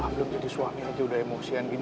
belum jadi suami aja udah emosian gini